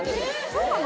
そうなの？